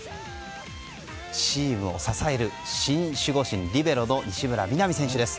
チームを支える新守護神リベロの西村弥菜美選手です。